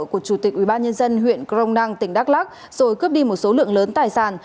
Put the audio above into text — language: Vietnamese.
của chủ tịch ubnd huyện crong năng tỉnh đắk lắc rồi cướp đi một số lượng lớn tài sản